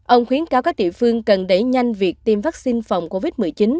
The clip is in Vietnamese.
ông khuyến cáo các địa phương cần đẩy nhanh việc tiêm vaccine phòng covid một mươi chín